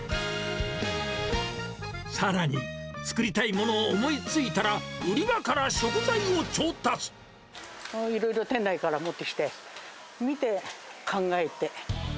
さらに作りたいものを思いついたら、いろいろ店内から持ってきて、見て、考えて。